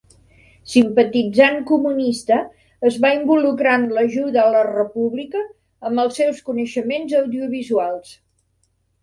Simpatitzant comunista, es va involucrar en l'ajuda a la República amb els seus coneixements audiovisuals.